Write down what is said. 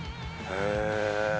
へえ。